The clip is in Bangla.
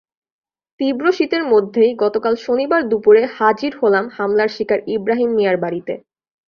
তীব্র শীতের মধ্যেই গতকাল শনিবার দুপুরে হাজির হলাম হামলার শিকার ইব্রাহিম মিয়ার বাড়িতে।